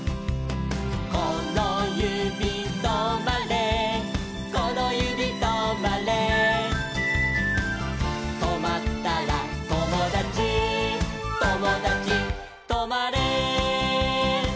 「このゆびとまれこのゆびとまれ」「とまったらともだちともだちとまれ」